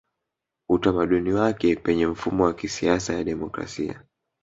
Utamaduni wake Penye mfumo wa kisiasa ya demokrasia